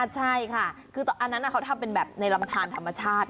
ใช่ค่ะคืออันนั้นเขาทำเป็นแบบในลำทานธรรมชาติ